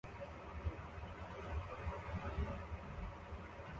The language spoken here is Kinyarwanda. Umukobwa wambaye ibara ryijimye atora indabyo